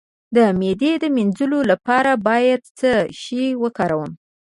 د معدې د مینځلو لپاره باید څه شی وکاروم؟